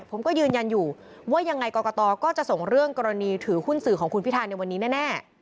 ผมก็ยืนยันอยู่ว่ายังไงกรกตก็จะส่งเรื่องกรณีถือหุ้นสื่อของคุณพิธาในวันนี้แน่